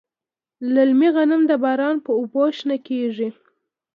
للمي غنم د باران په اوبو شنه کیږي.